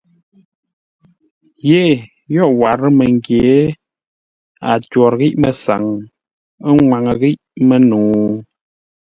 Yee yo warə́ məngyě, ə́ ntwǒr ghíʼ mə́saŋ, ə́ ŋwaŋə́ ghíʼ mə́nəu ?